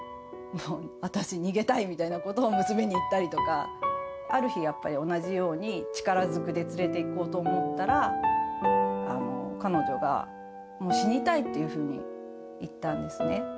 私、逃げたいみたいなことを、娘に言ったりとか、ある日やっぱり同じように、力ずくで連れていこうと思ったら、彼女が、もう死にたいっていうふうに言ったんですね。